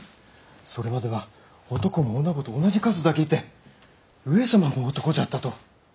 それまでは男も女と同じ数だけいて上様も男じゃったと！